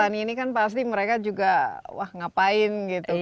kami yakan postur yang gimana yang paling dikecewakan